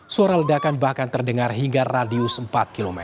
suara ledakan bahkan terdengar hingga radius empat km